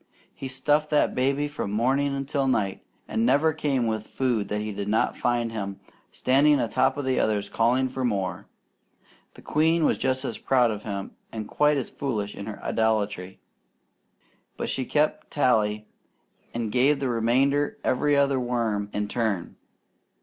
He stuffed that baby from morning until night, and never came with food that he did not find him standing a top the others calling for more. The queen was just as proud of him and quite as foolish in her idolatry, but she kept tally and gave the remainder every other worm in turn.